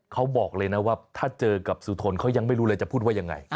เขาบอกเลยนะว่าถ้าเจอกับสุทนเขายังไม่รู้เลยจะพูดว่ายังไง